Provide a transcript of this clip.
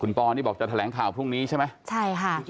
คุณปอนี่บอกจะแถลงข่าวพรุ่งนี้ใช่ไหมใช่ค่ะ